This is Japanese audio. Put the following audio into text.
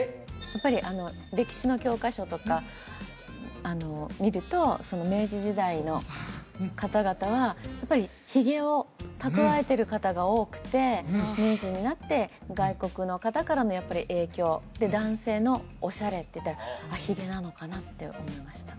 やっぱり歴史の教科書とか見ると明治時代の方々はやっぱりヒゲを蓄えてる方が多くて明治になって外国の方からのやっぱり影響で男性のオシャレっていったらヒゲなのかなって思いました